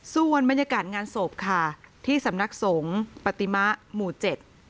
ส่วนบรรยากาศงานศพค่ะที่สำนักสงฆ์ปฏิมะหมู่เจ็ด